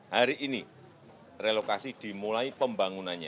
hari ini relokasi dimulai pembangunannya